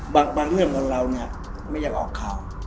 บางเรื่องเราเนี่ยไม่อยากออกข่าว